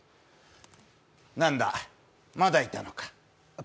なんだ、まだいたのか。